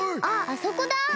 ああそこだ！